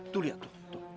tuh lihat tuh